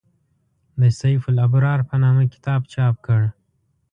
د «سیف الابرار» په نامه کتاب چاپ کړ.